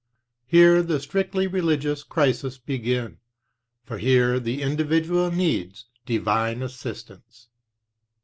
Here the strictly religious crises begin, for here the individual needs divine assistance.